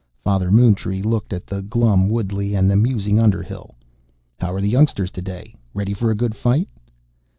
Father Moontree looked at the glum Woodley and the musing Underhill. "How're the youngsters today? Ready for a good fight?"